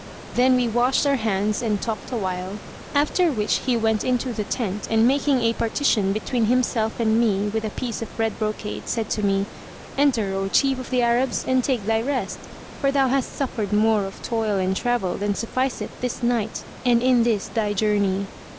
Then we washed our hands and talked a while, after which he went into the tent and making a partition between himself and me with a piece of red brocade, said to me, "Enter, O Chief of the Arabs, and take thy rest; for thou hast suffered more of toil and travel than sufficeth this night and in this thy journey."